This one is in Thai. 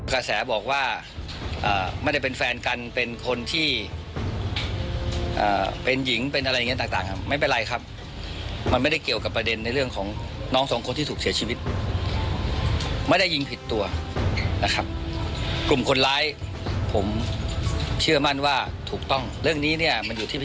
สนับสนุนโดยสายการบินไทยสมายเพราะทุกการเดินทางของคุณจะมีแต่รอยยิ้ม